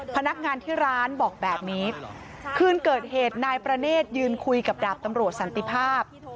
พนักงานที่ร้านบอกแบบนี้คืนเกิดเหตุนายประเนธยืนคุยกับดาบตำรวจสันติภาพ